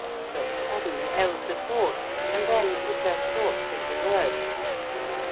But suddenly Ailsa thought, and then put her thoughts into words.